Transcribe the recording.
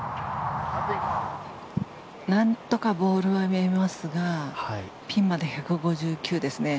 なんとかボールは見えますがピンまで１５９ですね。